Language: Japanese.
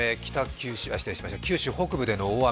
九州北部での大雨